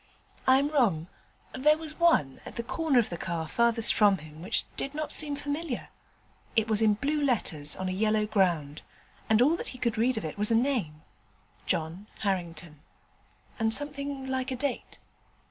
I am wrong: there was one at the corner of the car farthest from him which did not seem familiar. It was in blue letters on a yellow ground, and all that he could read of it was a name John Harrington and something like a date.